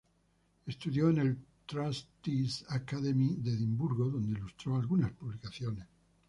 Estudió en la Trustees' Academy de Edimburgo, donde ilustró algunas publicaciones.